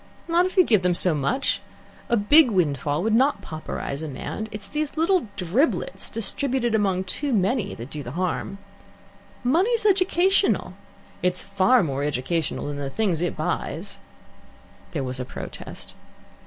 "Not if you gave them so much. A big windfall would not pauperize a man. It is these little driblets, distributed among too many, that do the harm. Money's educational. It's far more educational than the things it buys." There was a protest.